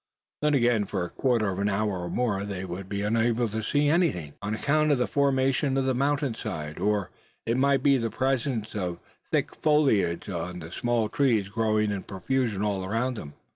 Then again for a quarter of an hour or more they would be unable to see anything, on account of the formation of the mountainside, or it might be the presence of thick foliage on the small trees growing in profusion all around them.